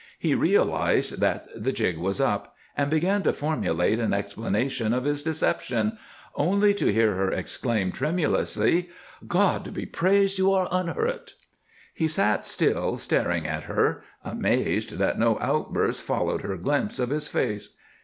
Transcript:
He realized that the jig was up and began to formulate an explanation of his deception, only to hear her exclaim, tremulously: "God be praised! You are unhurt." He sat still, staring at her, amazed that no outburst followed her glimpse of his face.